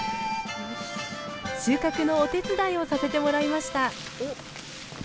収穫のお手伝いをさせてもらいました